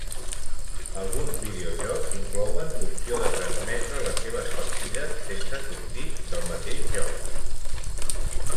Alguns videojocs inclouen l'opció de transmetre les seves partides sense sortir del mateix joc.